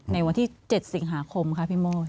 ในวันที่๗สิงหาคมค่ะพี่โมด